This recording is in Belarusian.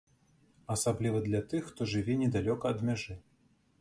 Асабліва для тых, хто жыве недалёка ад мяжы.